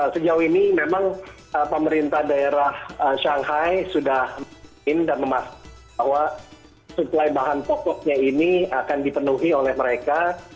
sejauh ini memang pemerintah daerah shanghai sudah ingin dan memastikan bahwa suplai bahan pokoknya ini akan dipenuhi oleh mereka